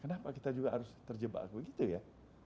kenapa kita juga harus terjebak begitu ya